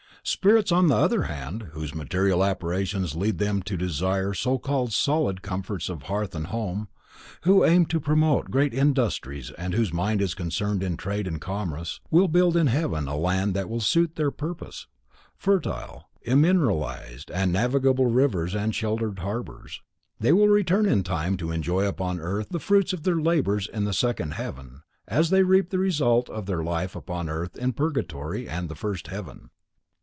Spirits, on the other hand, whose material aspirations lead them to desire so called solid comforts of hearth and home, who aim to promote great industries and whose mind is concerned in trade and commerce, will build in heaven a land that will suit their purpose: fertile, immineralized, with navigable rivers and sheltered harbors. They will return in time to enjoy upon earth the fruits of their labors in the second heaven, as they reap the result of their life upon earth in purgatory and the first heaven.